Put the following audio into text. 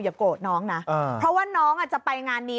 โกรธน้องนะเพราะว่าน้องอาจจะไปงานนี้